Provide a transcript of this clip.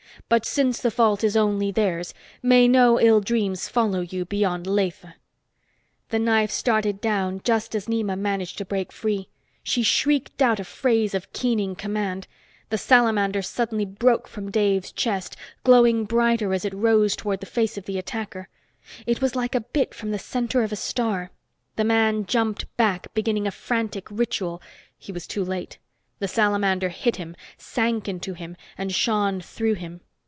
But since the fault is only theirs, may no ill dreams follow you beyond Lethe!" The knife started down, just as Nema managed to break free. She shrieked out a phrase of keening command. The salamander suddenly broke from Dave's chest, glowing brighter as it rose toward the face of the attacker. It was like a bit from the center of a star. The man jumped back, beginning a frantic ritual. He was too late. The salamander hit him, sank into him and shone through him.